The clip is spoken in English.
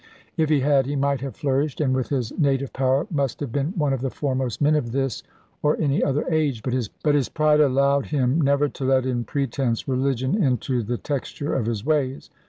If he had, he might have flourished, and with his native power, must have been one of the foremost men of this, or any other age. But his pride allowed him never to let in pretence religious into the texture of his ways.